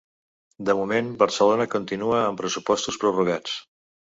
De moment Barcelona continua amb pressupostos prorrogats.